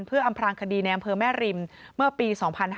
เพื่ออำพลางคดีในอำเภอแม่ริมเมื่อปี๒๕๕๙